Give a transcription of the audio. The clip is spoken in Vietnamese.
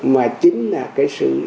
mà chính là cái sự